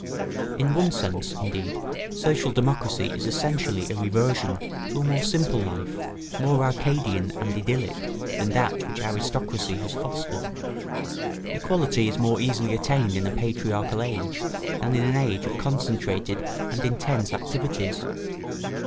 In one sense, indeed, social democracy is essentially a reversion to a more simple life, more Arcadian and idyllic than that which aristocracy has fostered. Equality is more easily attained in a patriarchal age than in an age of concentrated and intense activities.